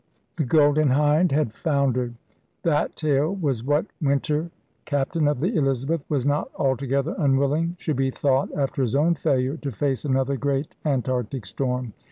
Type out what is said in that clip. The Golden Hind had foundered. That tale was what \Yinter, captain of the Elizabeth, was not altogether unwilling should be thought after his own failure to face another great antarctic storm.